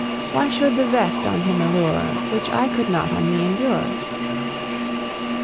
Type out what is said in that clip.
Why should the vest on him allure, Which I could not on me endure?